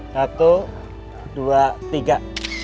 satu dua tiga